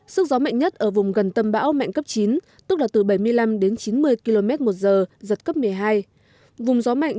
sức gió mạnh nhất ở vùng gần tâm bão mạnh cấp chín tức là từ bảy mươi năm đến chín mươi km một giờ giật cấp một mươi hai